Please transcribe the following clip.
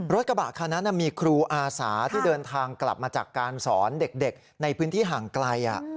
รถกระบะคันนั้นมีครูอาสาที่เดินทางกลับมาจากการสอนเด็กในพื้นที่ห่างไกล